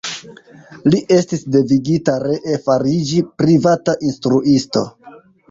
Li estis devigita ree fariĝi privata instruisto.